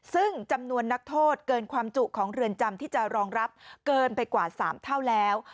ซึ่งจำนวนนักโทษเกินความจุของเรือนจำที่จะรองรับเกินไปกว่า๓เท่าแล้ว